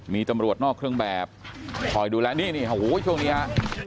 มีตำรวจนอกเครื่องแบบคอยดูแลนี่นี่โอ้โหช่วงนี้ฮะ